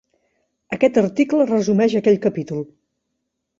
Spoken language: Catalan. Aquest article resumeix aquell capítol.